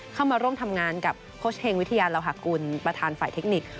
เข้ามาร่วมทำงานกับโค้ชเฮงวิทยาลาหากุลประธานฝ่ายเทคนิค